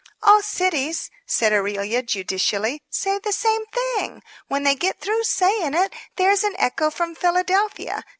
"All cities," said Aurelia, judicially, "say the same thing. When they get through saying it there is an echo from Philadelphia.